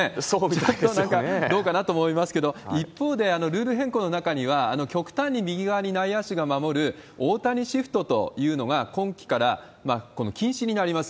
ちょっとどうかなと思いますけれども、一方で、ルール変更の中には、極端に右側に内野手が守る大谷シフトというのが、今季から禁止になります。